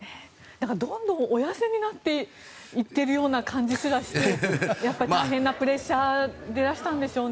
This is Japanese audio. どんどんお痩せになっているような感じすらして大変なプレッシャーでいらしたんでしょうね。